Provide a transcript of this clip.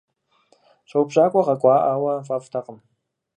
Щӏэупщӏакӏуэ къакӏуэӏауэ фӏэфӏтэкъым.